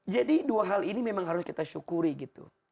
jadi dua hal ini memang harus kita syukuri gitu